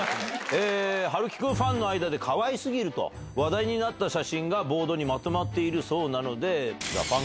陽喜くんファンの間でかわい過ぎると話題になった写真がボードにまとまっているそうなので。